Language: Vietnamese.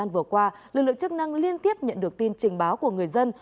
vừa qua lực lượng chức năng liên tiếp nhận được tin trình báo của người dân